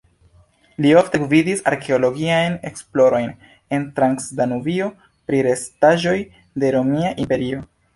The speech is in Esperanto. Li ofte gvidis arkeologiajn esplorojn en Transdanubio pri restaĵoj de Romia Imperio.